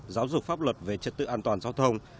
giáo dục pháp luật về trật tự an toàn giao thông